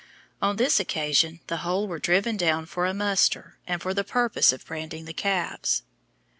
On this occasion, the whole were driven down for a muster, and for the purpose of branding the calves.